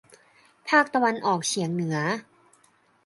ภาคตะวันออกเฉียงเหนือ